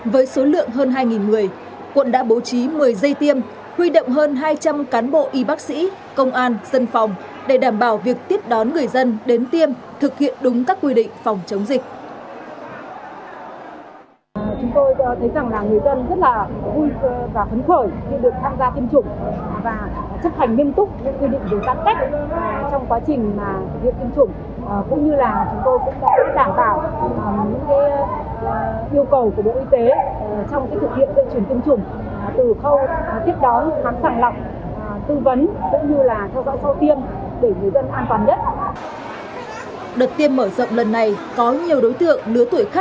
với số lượng hơn hai người quận đã bố trí một mươi dây tiêm huy động hơn hai trăm linh cán bộ y bác sĩ công an dân phòng để đảm bảo việc tiếp đón người dân đến tiêm thực hiện đúng các quy định phòng chống dịch